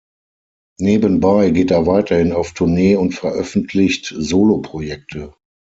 Nebenbei geht er weiterhin auf Tournee und veröffentlicht Soloprojekte.